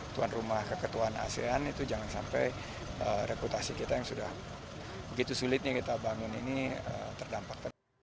tuan rumah keketuaan asean itu jangan sampai reputasi kita yang sudah begitu sulitnya kita bangun ini terdampak